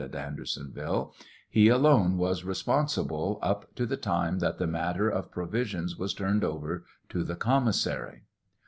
at Andersonville, he alone was responsible up to the time that the matter of pro visions was turned over to the commissary.